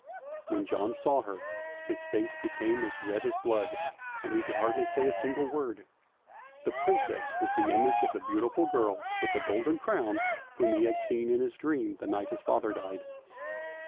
When John saw her his face became as red as blood, and he could hardly say a single word; the Princess was the image of the beautiful girl with the golden crown whom he had seen in his dream, the night his father died.